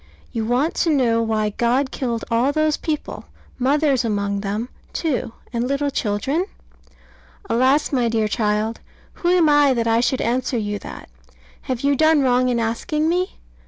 You want to know why God killed all those people mothers among them, too, and little children? Alas, my dear child! who am I that I should answer you that? Have you done wrong in asking me?